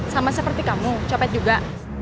sama seperti kamu copet juga